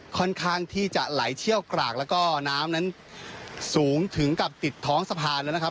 คอนค่างที่จะไหลเฉียวกลากและน้ำนั้นสูงถึงติดท้องสะพานแล้วนะครับ